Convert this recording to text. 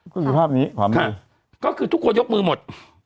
ก็คือภาพนี้ความดีค่ะก็คือทุกคนยกมือหมด